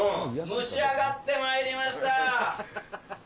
蒸し上がってまいりました。